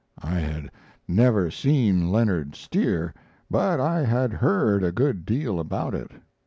"I had never seen Leonard steer, but I had heard a good deal about it.